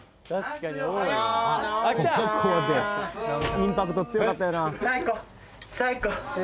インパクト強かったよな